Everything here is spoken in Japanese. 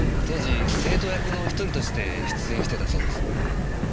当時生徒役の１人として出演してたそうです。